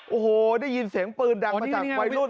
โอ้โหได้ยินเสียงปืนดังมาจากวัยรุ่น